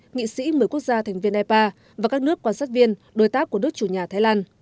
nghị sĩ một mươi quốc gia thành viên ipa và các nước quan sát viên đối tác của nước chủ nhà thái lan